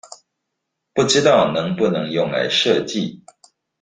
不知道能不能用來設計？